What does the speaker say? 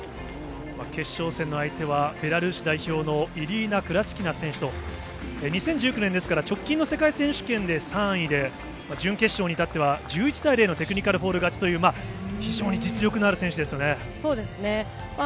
決勝戦の相手は、ベラルーシ代表のイリーナ・クラチキナ選手と、２０１９年ですから、直近の世界選手権で３位で、準決勝に至っては１１対０のテクニカルフォール勝ちという、そうですね。